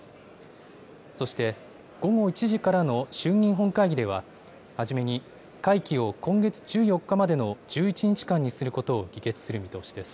そして、午後１時からの衆議院本会議では、初めに会期を今月１４日までの１１日間にすることを議決する見通しです。